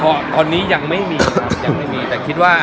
ความน่ารักกันค่ะพี่คนนี้ยังไม่มีครับยังไม่มีแต่คิดว่า